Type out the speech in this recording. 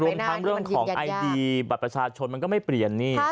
รวมทั้งเรื่องของไอดีบัตรประชาชนมันก็ไม่เปลี่ยนนี่